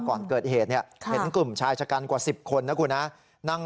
ก่อนเกิดเหตุเนี่ยเห็นกลุ่มชายชะกันกว่า๑๐คนนะคุณฮะ